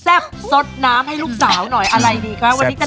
จะเอาแซ่บสดน้ำให้ลูกสาวหน่อยอะไรดีคะ